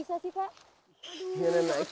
aduh kok bisa sih pak